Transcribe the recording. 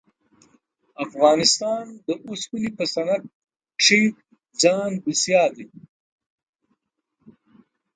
افغانستان د اوسپنې په صنعت کښې ځان بسیا دی.